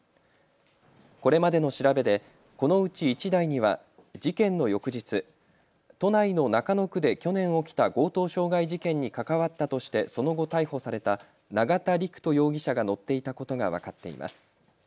これまでの調べでこのうち１台には事件の翌日、都内の中野区で去年、起きた強盗傷害事件に関わったとしてその後、逮捕された永田陸人容疑者が乗っていたことが分かっています。